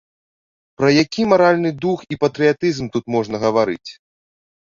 Пра які маральны дух і патрыятызм тут можна гаварыць?